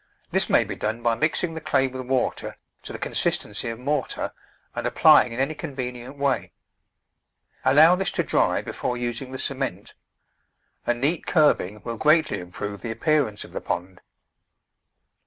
This may be done by mixing the clay with water to the consistency of mortar and applying in any convenient way. Allow this to dry before using the cement. A neat curb ing will greatly improve the appearance of the pond.